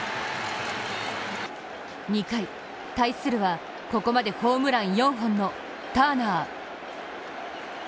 ２回、対するは、ここまでホームラン４本のターナー。